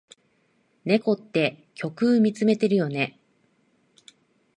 猫って虚空みつめてるよね。